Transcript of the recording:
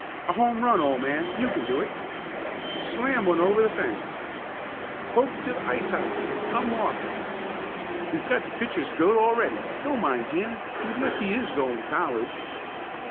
"A home run, old man! You can do it!" "Slam one over the fence!" "Poke it to the icehouse and come walking!" "We've got the pitcher's goat already! Don't mind him, even if he is going to college!"